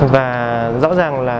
và rõ ràng là